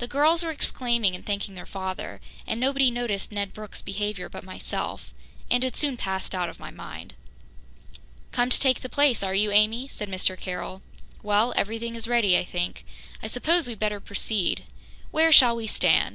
The girls were exclaiming and thanking their father, and nobody noticed Ned Brooke's behaviour but myself, and it soon passed out of my mind. "Come to take the place, are you, Amy?" said Mr. Carroll. "Well, everything is ready, I think. I suppose we'd better proceed. Where shall we stand?